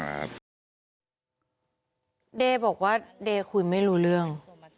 เด๊บอกว่าเด๊คุยไม่รู้เรื่อง